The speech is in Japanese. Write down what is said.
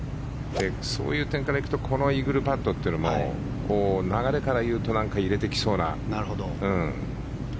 そういう点から行くとこのイーグルパットというのも流れからいうと入れてきそうな。